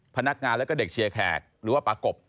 พนักงานแล้วก็เด็กเชียร์แขกหรือว่าปากบ